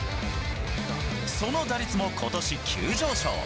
その打率もことし急上昇。